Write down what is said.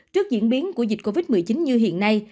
trước diễn biến của dịch covid một mươi chín như hiện nay